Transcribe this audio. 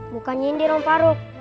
bukan nyindir om faruk